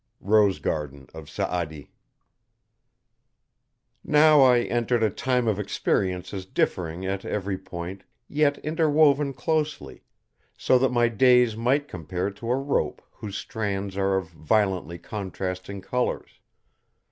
'" ROSE GARDEN OF SA'ADI. Now I entered a time of experiences differing at every point, yet interwoven closely, so that my days might compare to a rope whose strands are of violently contrasted colors.